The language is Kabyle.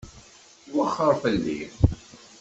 Wexxeṛ fell-i.